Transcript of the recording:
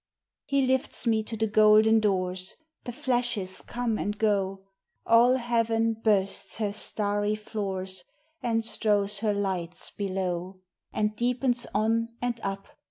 He lifts me to the golden doors; The Hashes come and go; All heaven bursts her starry floors, And strows her lights below. And deepens on and up